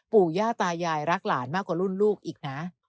ปู่ย่าตายายรักหลานมากกว่ารุ่นลูกอีกนะ